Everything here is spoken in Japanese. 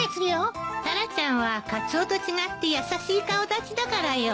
タラちゃんはカツオと違って優しい顔立ちだからよ。